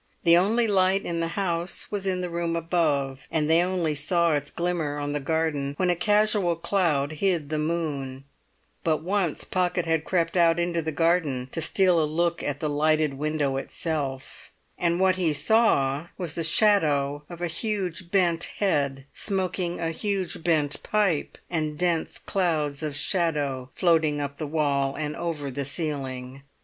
The only light in the house was in the room above, and they only saw its glimmer on the garden when a casual cloud hid the moon; but once Pocket had crept out into the garden to steal a look at the lighted window itself; and what he saw was the shadow of a huge bent head smoking a huge bent pipe, and dense clouds of shadow floating up the wall and over the ceiling.